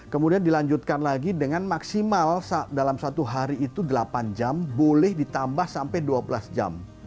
kemudian dilanjutkan lagi dengan maksimal dalam satu hari itu delapan jam boleh ditambah sampai dua belas jam